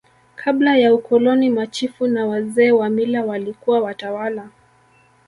kabla ya ukoloni machifu na wazee wa mila walikuwa watawala